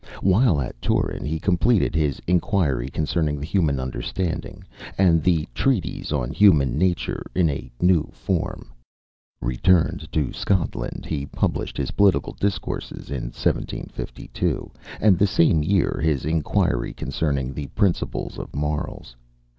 While at Turin he completed his "Inquiry Concerning the Human Understanding," the "Treatise on Human Nature" in a new form. Returned to Scotland, he published his "Political Discourses" in 1752, and the same year his "Inquiry Concerning the Principles of Morals."